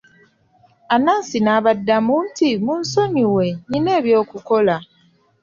Anansi n'abaddamu nti, munsonyiwe nnina eby'okukola.